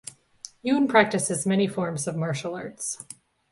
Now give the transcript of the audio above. Yune practices many forms of martial arts.